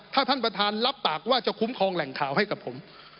ถ้าท่านประธานรับปากว่าจะคุ้มครองแหล่งข่าวให้กับผม